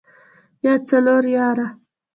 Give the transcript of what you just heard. يا څلور ياره.